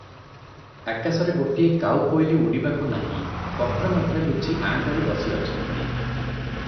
ଆକାଶରେ ଗୋଟିଏ କାଉ କୋଇଲି ଉଡ଼ିବାକୁ ନାହିଁ, ପତ୍ର ମଧ୍ୟରେ ଲୁଚି ଆଁ କରି ବସିଅଛନ୍ତି ।